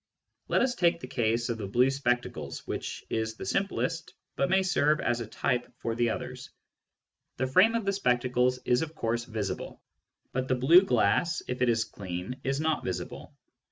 Let us take the case of the blue spectacles, which is the simplest, but may serve as a type for the others. The frame of the spectacles is of course visible, but the blue glass, if it is clean, is not visible.